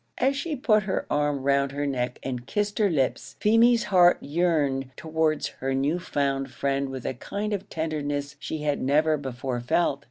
As she put her arm round her neck and kissed her lips, Feemy's heart yearned towards her new found friend with a kind of tenderness she had never before felt.